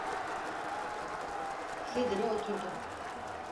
Sedire oturdu.